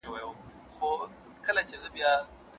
یک تنها د ګلو غېږ کي له خپل خیال سره زنګېږم